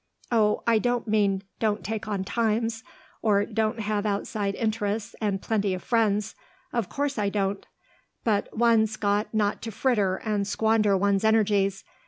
Oh, I don't mean don't take on times, or don't have outside interests and plenty of friends; of course I don't. But one's got not to fritter and squander one's energies.